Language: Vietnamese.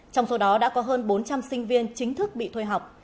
trong số đó đã có hơn bốn trăm linh sinh viên chính thức bị thuê học